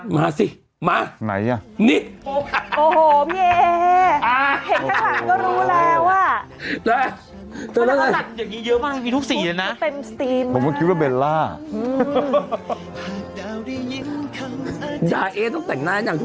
มาสิมาไหนละนิส